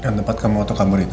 yang tempat kamu waktu kambur itu